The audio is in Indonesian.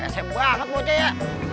sm banget bocah ya